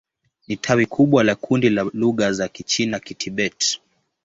Ni tawi kubwa la kundi la lugha za Kichina-Kitibet.